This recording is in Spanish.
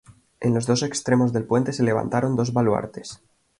En los dos extremos del puente se levantaron dos baluartes.